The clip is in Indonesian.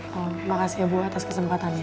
terima kasih ya bu atas kesempatannya